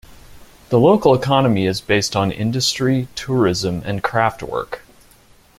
The local economy is based on industry, tourism and craft-work.